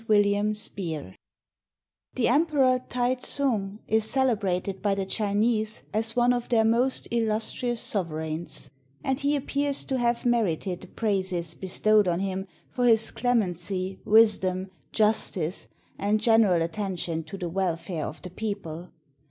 WILLIAM SPEER The Emperor Tai tsung is celebrated by the Chinese as one of their most illustrious sovereigns ; and he appears to have merited the praises bestowed on him for his clem ency, wisdom, justice, and general attention to the wel fare of the people.